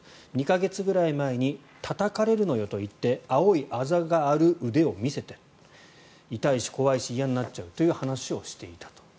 ２か月ぐらい前にたたかれるのよと言って青いあざがある腕を見せて痛いし怖いし嫌になっちゃうという話をしていたと。